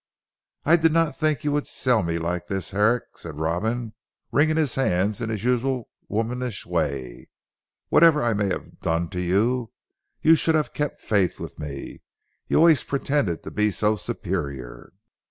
"I did not think you would sell me like this Herrick!" said Robin wringing his hands in his usual womanish way, "whatever I may have done to you, you should have kept faith with me. You always pretended to be so superior."